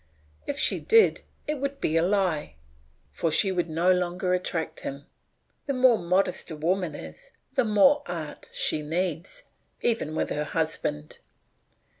If she did, it would be a lie; for she would no longer attract him. The more modest a woman is, the more art she needs, even with her husband.